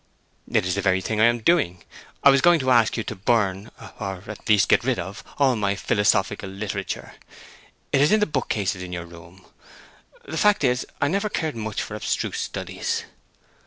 "It is the very thing I am doing. I was going to ask you to burn—or, at least, get rid of—all my philosophical literature. It is in the bookcases in your rooms. The fact is, I never cared much for abstruse studies."